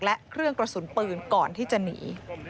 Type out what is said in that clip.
และเครื่องกระสุนปืนก่อนที่จะหนี